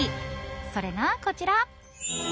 それがこちら。